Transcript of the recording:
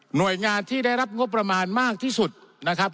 หน่วยงานที่ได้รับงบประมาณมากที่สุดนะครับ